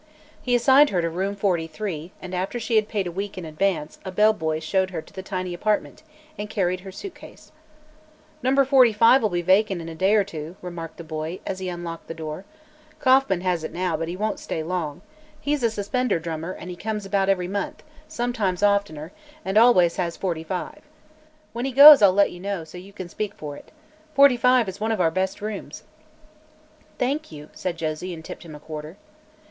He assigned her to room 43 and after she had paid a week in advance a bellboy showed her to the tiny apartment and carried her suitcase. "Number 45'll be vacant in a day or two," remarked the boy, as he unlocked her door. "Kauffman has it now, but he won't stay long. He's a suspender drummer and comes about every month sometimes oftener and always has 45. When he goes, I'll let you know, so you can speak for it. Forty five is one of our best rooms." "Thank you," said Josie, and tipped him a quarter.